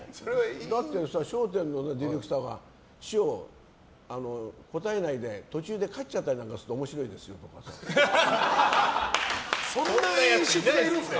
だって「笑点」のディレクターが師匠、答えないで途中で帰っちゃったりするとそんな演出がいるんですか。